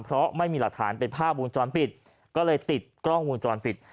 เพราะไม่มีหลักฐานเป็นภาพวงจรปิดก็เลยติดกล้องวงจรปิด